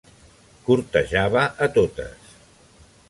Cortejava a totes.